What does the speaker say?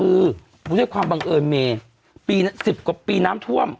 คือปฏิบัติฯความบังเอิญมีปีนี้สิบตอนก็ปีน้ำท่วม